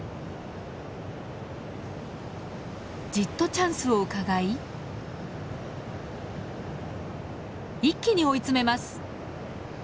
じっとチャンスをうかがい一気に追い詰めます。